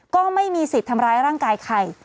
ก็ไม่มีสิทธิ์ทำร้ายร่างกายใคร